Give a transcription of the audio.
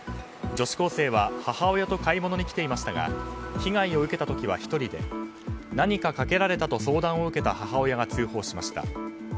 女子高生は母親と買い物に来ていましたが被害受けた時は１人で何かかけられたと相談を受けた母親が通報しました。